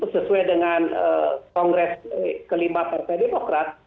sesuai dengan kongres kelima partai demokrat